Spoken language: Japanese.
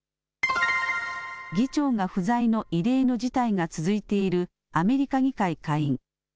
議長が不在の異例の事態が続いているアメリカ議会下院。